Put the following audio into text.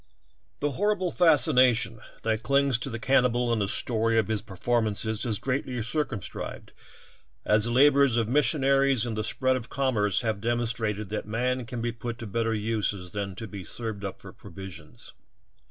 The horrible fascination that clings to the cannibal and the story of his performances is greatly circumscribed, as the labors of missionaries and the spread of commerce have demonstrated that 4 49 50 THE TALKING HANDKERCHIEF. man can be put to better uses than to be served up for provisions.